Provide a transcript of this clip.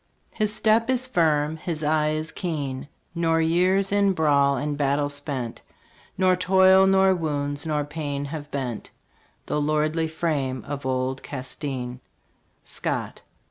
His step is firm, his eye is keen, Nor years in brawl and battle spent, Nor toil, nor wounds, nor pain have bent The lordly frame of old Castin. Scott.